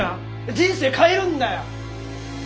人生変えるんだよ！